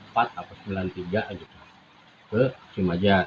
pada saat itu